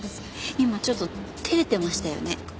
今ちょっと照れてましたよね？